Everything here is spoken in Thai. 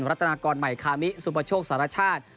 รัฐนากรใหม่คามิสุปโชคสารชาติ